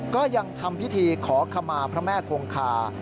ก็ยังทำพิธีขอขมาพระแม่คงคา